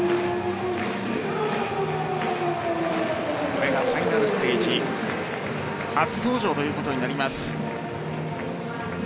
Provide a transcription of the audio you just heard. これがファイナルステージ初登場ということになります。